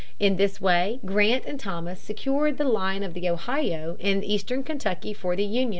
In this way Grant and Thomas secured the line of the Ohio and eastern Kentucky for the Union.